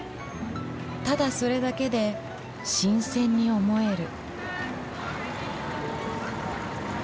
ただそれだけで新鮮に思える。